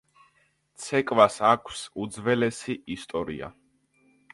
ცეკვას აქვს უძველესი ისტორია.